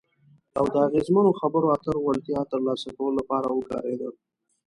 او د اغیزمنو خبرو اترو وړتیا ترلاسه کولو لپاره وکارېده.